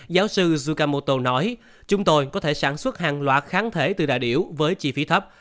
giáo sư zukamoto nói chúng tôi có thể sản xuất hàng loạt kháng thể từ đại biểu với chi phí thấp